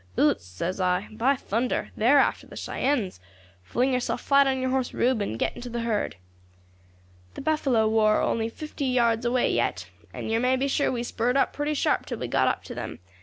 'Utes,' says I, 'by thunder! They are after the Cheyennes! Fling yourself flat on your horse, Rube, and get into the herd.' "The buffalo war only fifty yards away yet, and yer may be sure we spurred up pretty sharp till we got up to them.